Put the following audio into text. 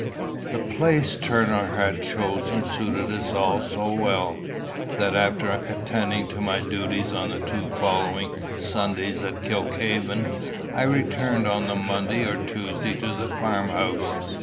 The place Turner had chosen suited us all so well, that after attending to my duties on the two following Sundays at Kilkhaven, I returned on the Monday or Tuesday to the farmhouse.